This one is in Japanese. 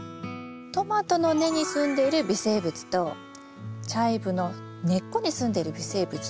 トマトの根にすんでいる微生物とチャイブの根っこにすんでる微生物